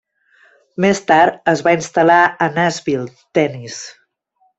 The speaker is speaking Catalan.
Més tard es va instal·lar a Nashville, Tennessee.